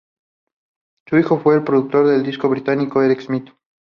Su hijo fue el productor de discos británico Erik Smith.